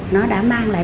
nó đã mang lại